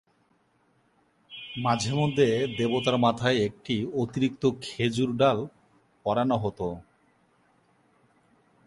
মাঝে মধ্যে দেবতার মাথায় একটি অতিরিক্ত খেজুর ডাল পরানো হতো।